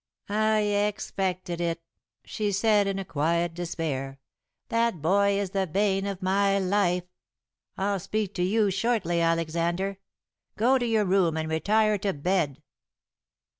"I expected it," she said in quiet despair; "that boy is the bane of my life. I'll speak to you shortly, Alexander. Go to your room and retire to bed."